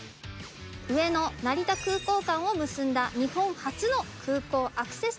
上野成田空港間を結んだ日本初の空港アクセス